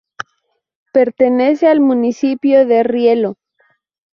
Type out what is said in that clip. Pertenece al municipio de Riello.